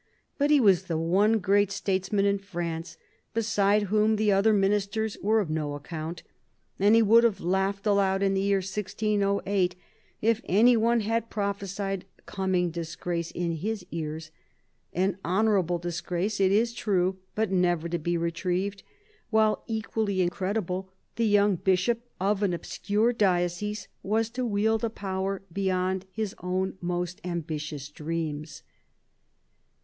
But he was the one great statesman in France, beside whom the other ministers were of no account, and he would have laughed aloud, in the year 1608, if any one had prophesied coming disgrace in his ears : an honourable disgrace, it is true, but never to be retrieved; while, equally incredible, the young bishop of an obscure diocese was to wield a power beyond his own most ambitious dreams.